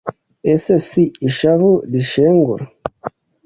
Ese si ishavu rishengura